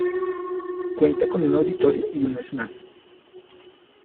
Cuenta con un auditorio y un escenario.